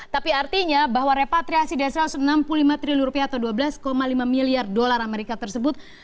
tapi artinya bahwa repatriasi dari satu ratus enam puluh lima triliun rupiah atau dua belas lima miliar dolar amerika tersebut